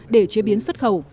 để chế biến xuất khẩu